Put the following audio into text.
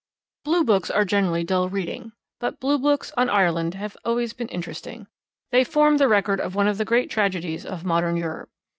Blue books are generally dull reading, but Blue books on Ireland have always been interesting. They form the record of one of the great tragedies of modern Europe.